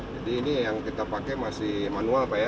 jadi ini yang kita pakai masih manual pak ya